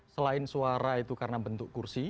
selain suara itu karena bentuk kursi